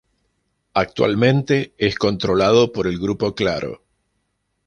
Actualmente es controlado por el Grupo Claro.